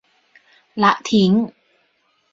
ละทิ้ง